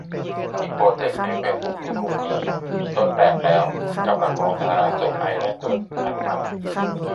อีกโปรเจกต์ ในเฟซบุ๊กมีกรุ๊ปนี้ มีต้นแบบแล้ว กำลังรอสาธารณสุขไอร์แลนด์ตรวจอนุมัติ